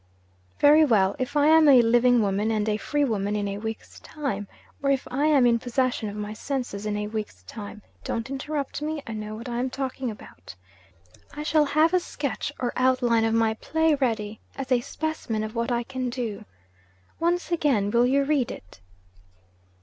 'Very well. If I am a living woman and a free woman in a week's time or if I am in possession of my senses in a week's time (don't interrupt me; I know what I am talking about) I shall have a sketch or outline of my play ready, as a specimen of what I can do. Once again, will you read it?'